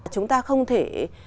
chúng ta không thể